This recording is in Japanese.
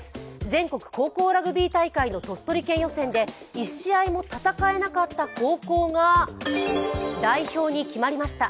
全国高校ラグビー大会の鳥取県予選で１試合も戦えなかった高校が代表に決まりました。